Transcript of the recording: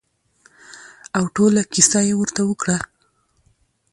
او ټوله کېسه يې ورته وکړه.